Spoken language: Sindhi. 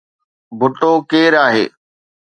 ڀٽو ڪير آهي؟